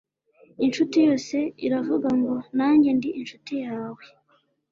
incuti yose iravuga ngo nanjye ndi incuti yawe